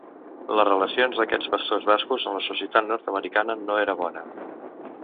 Les relacions d'aquests pastors bascos amb la societat nord-americana no era bona.